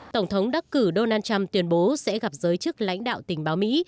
tổng thống đắc cử donald trump tuyên bố sẽ gặp giới chức lãnh đạo tình báo mỹ